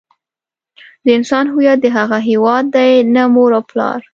د انسان هویت د هغه هيواد دی نه مور او پلار.